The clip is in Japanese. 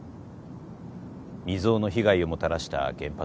未曽有の被害をもたらした原発事故。